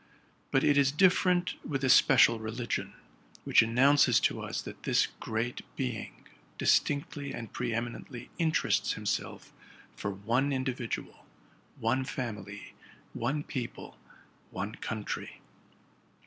But it is dif ferent with a special religion, which announces to us that this Great Being distinctly and pre eminently interests him self for one individual, one family, one people, one country.